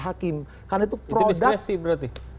hakim karena itu produk